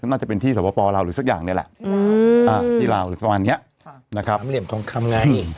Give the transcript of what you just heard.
น่าจะเป็นที่สวพลาวหรือสักอย่างนี้แหละที่ลาวหรือประมาณนี้